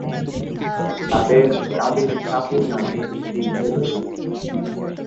তাঁদের কাবেরী কাপুর নামে একটি মেয়ে রয়েছে।